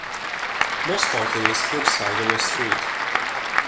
Most parking is curbside on the street.